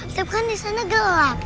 tapi kan disana gelap